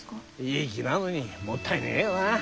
いい木なのにもったいねえよなあ。